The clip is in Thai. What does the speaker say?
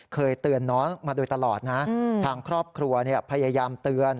เคยเตือนน้องมาโดยตลอดนะทางครอบครัวพยายามเตือน